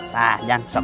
nah jangan sok rp lima